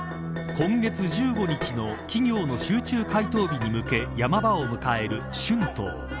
今月１５日の企業の集中回答日に向けヤマ場を迎える春闘。